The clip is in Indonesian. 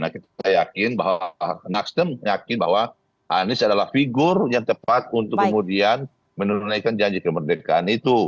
kita yakin bahwa nasdem yakin bahwa anies adalah figur yang tepat untuk kemudian menunaikan janji kemerdekaan itu